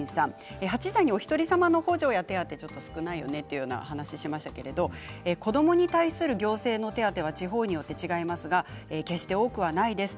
８時台のおひとりさまの補助や手当、少ないのでという話をしましたけれども子どもに対する行政の手当は地方によって違いますが決して多くはないです。